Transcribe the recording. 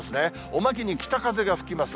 おまけに北風が吹きます。